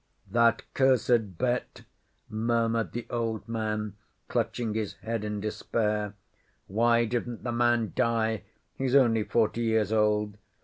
"That cursed bet," murmured the old man clutching his head in despair... "Why didn't the man die? He's only forty years old.